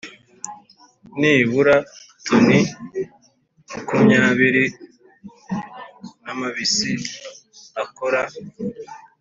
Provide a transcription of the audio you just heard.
nibura toni makumyabiri n amabisi akora